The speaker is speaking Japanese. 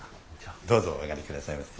どうぞお上がりくださいませ。